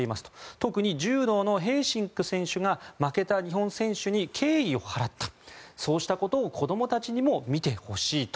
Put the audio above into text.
特に柔道のヘーシンク選手が負けた日本選手に敬意を払ったそうしたことを子どもたちにも見てほしいと。